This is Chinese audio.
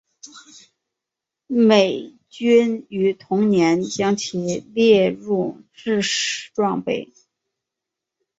美军于同年将其列入制式装备。